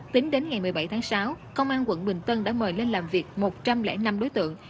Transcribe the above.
tính đến ngày một mươi bảy tháng sáu công an quận bình tân đã mời lên làm việc một trăm linh năm đối tượng